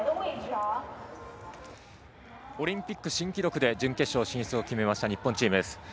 オリンピック新記録で準決勝進出を決めました日本チームです。